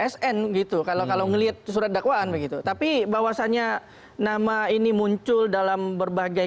sn gitu kalau kalau melihat surat dakwaan begitu tapi bahwasannya nama ini muncul dalam berbagai